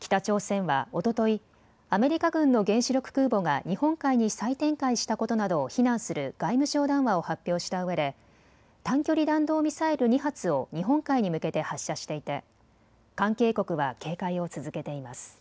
北朝鮮はおととい、アメリカ軍の原子力空母が日本海に再展開したことなどを非難する外務省談話を発表したうえで短距離弾道ミサイル２発を日本海に向けて発射していて関係国は警戒を続けています。